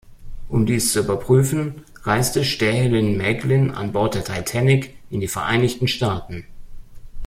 Um dies zu überprüfen, reiste Stähelin-Maeglin an Bord der Titanic in die Vereinigten Staaten.